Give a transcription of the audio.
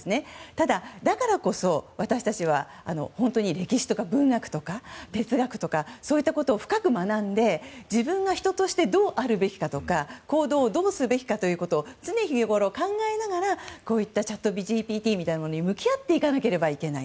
ただ、だからこそ私たちは歴史とか文学とか哲学とかそういったことを深く学んで自分が人としてどうあるべきなのかとか行動をどうすべきかということを常日ごろ、考えながらこういったチャットＧＰＴみたいなのに向き合っていかなければならない。